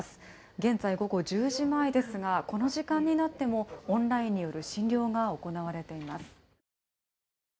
現在５０時前ですがこの時間になっても、オンラインによる診療が行われています。